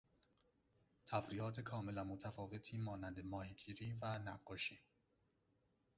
تفریحات کاملا متفاوتی مانند ماهیگیری و نقاشی